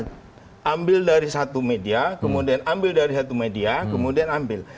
kita ambil dari satu media kemudian ambil dari satu media kemudian ambil